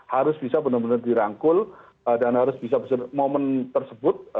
harus bisa benar benar dirangkul dan harus bisa momen tersebut